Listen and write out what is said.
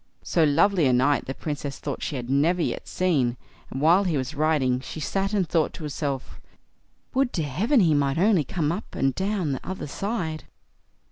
So lovely a knight the Princess thought she had never yet seen; and while he was riding, she sat and thought to herself: "Would to heaven he might only come up and down the other side."